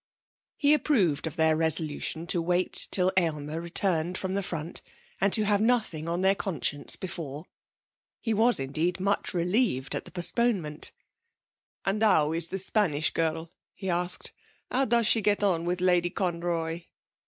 He approved of their resolution to wait till Aylmer returned from the front and to have nothing on their conscience before. He was indeed much relieved at the postponement. 'And how is the Spanish girl?' he asked. 'How does she get on with Lady Conroy?'